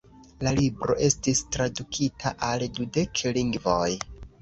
La libro estis tradukita al dudek lingvoj.